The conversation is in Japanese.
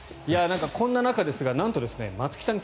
こんな中ですが、なんと松木さん